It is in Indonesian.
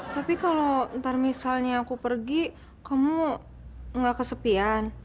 tapi kalau ntar misalnya aku pergi kamu nggak kesepian